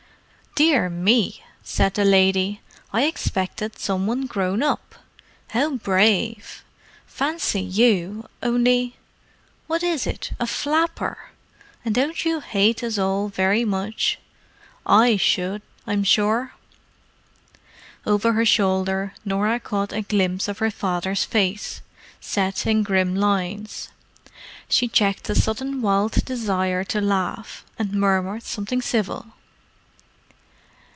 "Dear me!" said the lady. "I expected some one grown up. How brave! Fancy you, only—what is it—a flapper! And don't you hate us all very much? I should, I'm sure!" Over her shoulder Norah caught a glimpse of her father's face, set in grim lines. She checked a sudden wild desire to laugh, and murmured something civil.